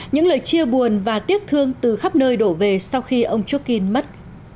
những lời chia buồn và tiếc thương từ khắp nơi đổ về sau khi ông chukin mất